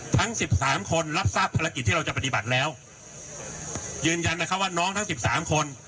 ทั้งสิบสามคนรับทราบภารกิจที่เราจะปฏิบัติแล้วยืนยันนะคะว่าน้องทั้งสิบสามคน